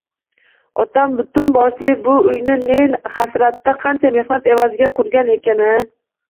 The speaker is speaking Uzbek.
Otam butun boshli bu uyni ne hasratda, qancha mehnat evaziga qurgan ekan-a